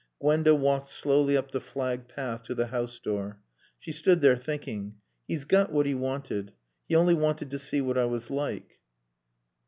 Gwenda walked slowly up the flagged path to the house door. She stood there, thinking. "He's got what he wanted. He only wanted to see what I was like."